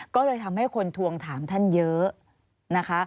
ก็เลยทำให้คนทวงถามท่านเยอะนะคะ